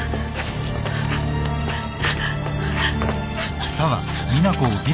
あっ